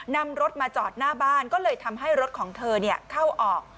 นำรถมาจอดหน้าบ้านก็เลยทำให้รถของเธอเข้าออก